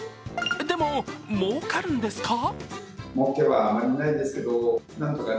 でも、もうかるんですか？